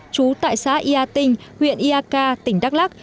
chú tại xã ia tinh huyện ia ca tỉnh đắk lắc